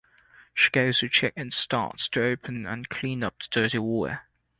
She goes to check and starts to open and clean up the dirty water.